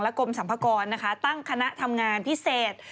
และกรมสัมภาคอนนะคะตั้งคณะทำงานพิเศษ